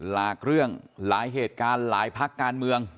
ลากเรื่องหลายเหตุการณ์หลายพักการเมือง